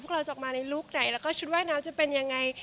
เราจะออกมาในลุคไหนแล้วก็ชุดว่ายน้ำจะเป็นยังไง